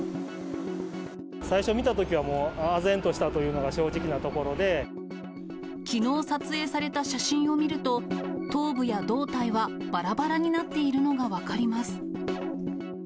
最初見たときはもう、あぜんきのう撮影された写真を見ると、頭部や胴体はばらばらになっているのが分かります。